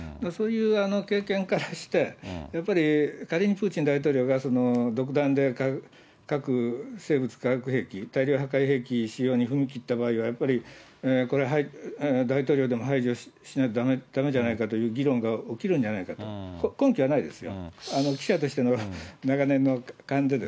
そういう経験からして、やっぱり仮にプーチン大統領が、独断で生物・化学兵器、大量破壊兵器使用に踏み切った場合は、やっぱりこれは、大統領でも排除しないとだめじゃないかという議論が起きるんではないかと、根拠はないですよ。